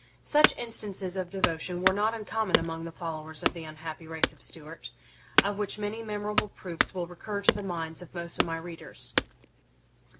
Such instances of devotion were not uncommon among the followers of the unhappy race of Stuart, of which many memorable proofs will recur to the minds of most of my readers.